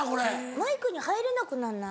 マイクに入れなくなんない？